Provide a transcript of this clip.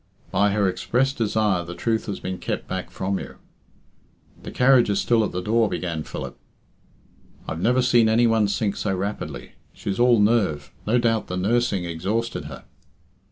"By her express desire the truth has been kept back from you." "The carriage is still at the door " began Philip. "I've never seen any one sink so rapidly. She's all nerve. No doubt the nursing exhausted her."